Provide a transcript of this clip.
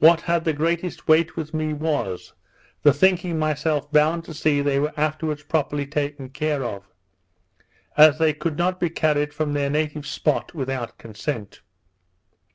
What had the greatest weight with me was, the thinking myself bound to see they were afterwards properly taken care of, as they could not be carried from their native spot without consent.